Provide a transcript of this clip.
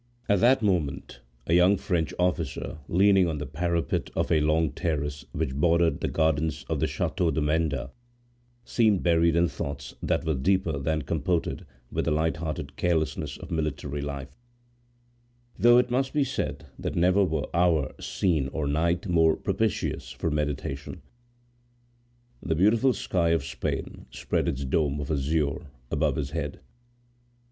At that moment a young French officer, leaning on the parapet of a long terrace which bordered the gardens of the chateau de Menda, seemed buried in thoughts that were deeper than comported with the light hearted carelessness of military life; though it must be said that never were hour, scene, or night more propitious for meditation. The beautiful sky of Spain spread its dome of azure above his head.